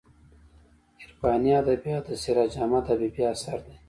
عرفاني ادبیات د سراج احمد حبیبي اثر دی.